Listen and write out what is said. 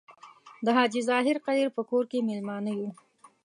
د حاجي ظاهر قدیر په کور کې میلمانه یو.